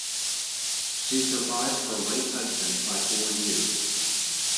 She survived her late husband by four years.